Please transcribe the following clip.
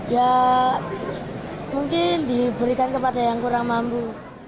ya mungkin diberikan kepada yang kurang mampu